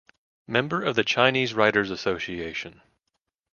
Member of the Chinese Writers Association.